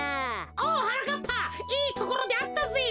おはなかっぱいいところであったぜ。